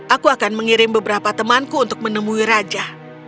aku akan mengirim beberapa temanku untuk menemui raja